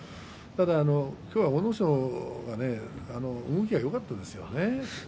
ただ、今日は阿武咲、動きがよかったですよね。